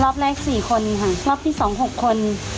รอบแรก๔คนค่ะรอบที่๒๖คน